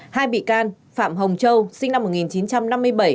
hai bị can phạm hồng châu sinh năm một nghìn chín trăm năm mươi bảy